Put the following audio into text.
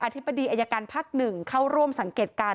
ธิบดีอายการภาค๑เข้าร่วมสังเกตการณ์